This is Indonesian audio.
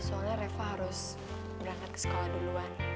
soalnya reva harus berangkat ke sekolah duluan